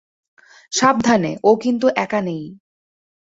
সাবধানে, ও কিন্তু একা নেই।